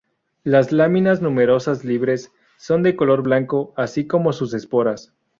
Las láminas, numerosas, libres, son de color blanco, así como sus esporas.